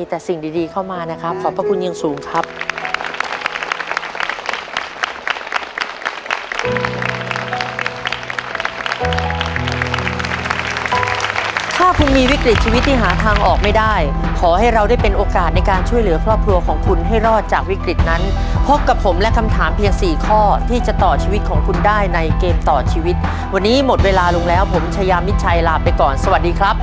ถ้าคุณมีวิกฤตชีวิตที่หาทางออกไม่ได้ขอให้เราได้เป็นโอกาสในการช่วยเหลือครอบครัวของคุณให้รอดจากวิกฤตนั้นพบกับผมและคำถามเพียงสี่ข้อที่จะต่อชีวิตของคุณได้ในเกมต่อชีวิตวันนี้หมดเวลาลุงแล้วผมชายามิจฉัยลาไปก่อนสวัสดีครับ